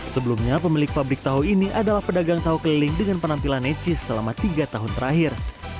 sebelumnya pemilik pabrik tahu ini adalah pedagang tahu keliling dengan penampilan necis selama tiga tahun terakhir